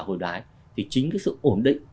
hồi đoái thì chính cái sự ổn định